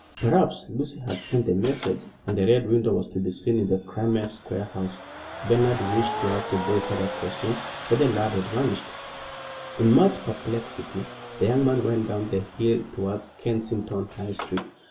Perhaps Lucy had sent the message, and the Red Window was to be seen in the Crimea Square house. Bernard wished to ask the boy further questions, but the lad had vanished. In much perplexity the young man went down the hill towards Kensington High Street.